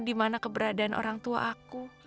dimana keberadaan orang tua aku